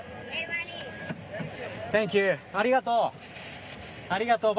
センキュー、ありがとう。